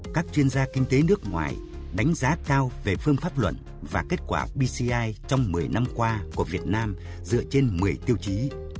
các chuyên gia kinh tế nước ngoài đánh giá cao về phương pháp luận và kết quả bci trong một mươi năm qua của việt nam dựa trên một mươi tiêu chí